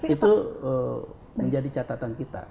itu menjadi catatan kita